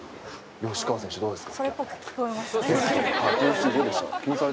吉川選手、どうですか？